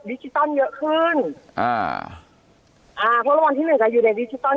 จิตอลเยอะขึ้นอ่าอ่าเพราะรางวัลที่หนึ่งอ่ะอยู่ในดิจิตอล